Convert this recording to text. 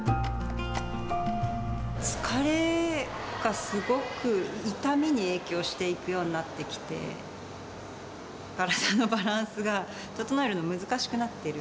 疲れがすごく痛みに影響していくようになってきて、体のバランスが、整えるのが難しくなってる。